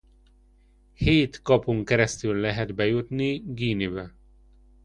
Hét kapun keresztül lehet bejutni Guineebe.